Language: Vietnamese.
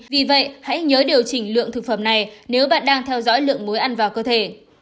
vì vậy hãy nhớ điều chỉnh lượng thực phẩm này nếu bạn đang theo dõi lượng muối ăn vào cơ thể